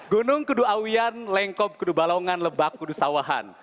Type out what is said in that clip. gunung kudu awian lengkob kudu balongan lebak kudu sawahan